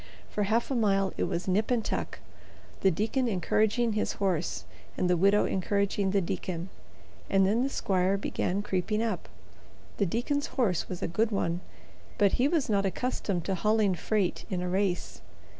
For half a mile it was nip and tuck, the deacon encouraging his horse and the widow encouraging the deacon, and then the squire began creeping up. The deacon's horse was a good one, but he was not accustomed to hauling freight in a race.